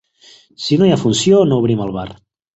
Si no hi ha funció, no obrim el bar.